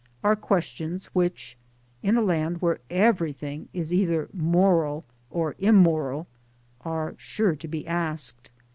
are questions which (in a land where everything is either moral or immoral) are sure to be asked.